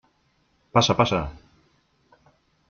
Passa, passa.